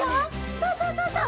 そうそうそうそう。